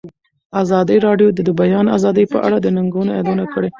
ازادي راډیو د د بیان آزادي په اړه د ننګونو یادونه کړې.